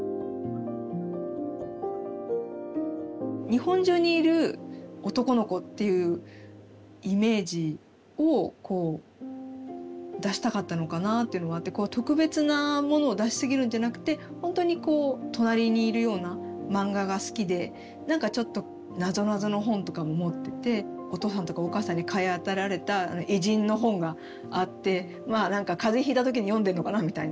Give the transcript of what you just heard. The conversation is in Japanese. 日本中にいる男の子っていうイメージをこう出したかったのかなっていうのがあって特別なものを出しすぎるんじゃなくてほんとにこう隣にいるような漫画が好きで何かちょっとなぞなぞの本とかも持っててお父さんとかお母さんに買い与えられた偉人の本があって何か風邪ひいた時に読んでんのかなみたいな感じがあったり。